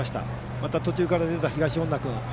また途中から出た東恩納君